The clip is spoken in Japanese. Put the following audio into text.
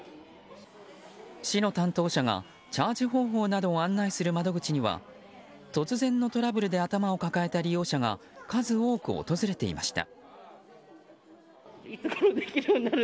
市の担当者がチャージ方法などを案内する窓口には突然のトラブルで頭を抱えた利用者が数多く訪れていました。